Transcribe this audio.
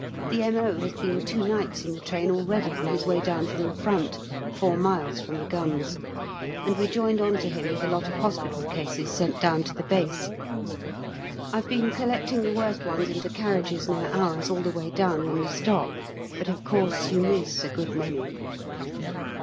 The M.O. has been two nights in the train already on his way down from the front (four miles from the guns), and we joined on to him with a lot of hospital cases sent down to the base. I've been collecting the worst ones into carriages near ours all the way down when we stop; but of course you miss a good many.